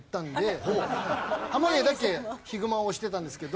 濱家だけヒグマを推してたんですけど。